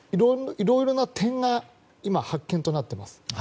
いろいろな点が今、発見となっています。